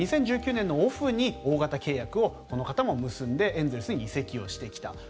２０１９年のオフに大型契約をこの方も結んでエンゼルスに移籍してきた。